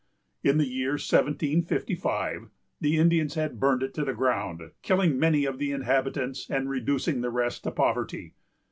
In the year 1755 the Indians had burned it to the ground, killing many of the inhabitants, and reducing the rest to poverty.